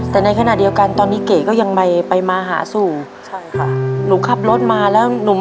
แต่ในขณะเดียวกันตอนนี้เก๋ก็ยังไปมาหาสู่